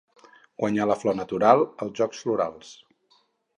Guanyar la Flor Natural als Jocs Florals?